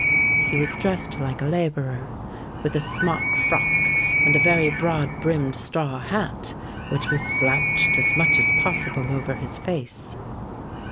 He was dressed like a labourer, with a smock frock and a very broad brimmed straw hat, which was slouched as much as possible over his face.